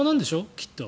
きっと。